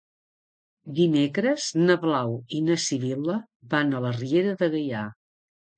Dimecres na Blau i na Sibil·la van a la Riera de Gaià.